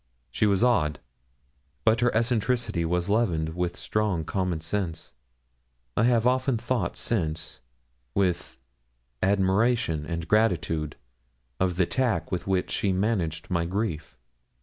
She was odd, but her eccentricity was leavened with strong common sense; and I have often thought since with admiration and gratitude of the tact with which she managed my grief.